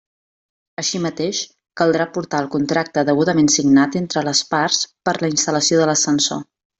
Així mateix, caldrà aportar el contracte degudament signat entre les parts per a la instal·lació de l'ascensor.